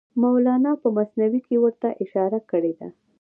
مولانا په مثنوي کې ورته اشاره کړې ده.